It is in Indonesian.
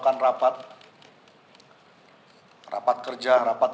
dan apabila ada pengamatan